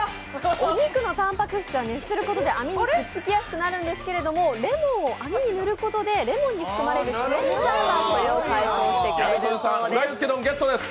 お肉のたんぱく質は熱することで網にくっつきやすくなるんですけどレモンを網に塗ることでレモンに含まれるクエン酸がこれを解消してくれるそうです。